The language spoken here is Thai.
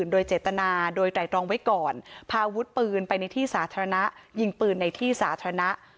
โดยเจตนาโดยไตรตรองไว้ก่อนพาวุฒิปืนไปในที่สาธารณะยิงปืนในที่สาธารณะ